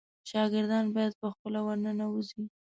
شاګردان باید په خپله ورننوزي.